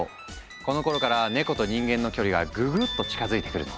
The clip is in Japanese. このころからネコと人間の距離がぐぐっと近づいてくるの。